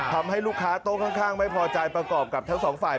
ทำให้ลูกค้าโต๊ะข้างไม่พอใจประกอบกับทั้งสองฝ่าย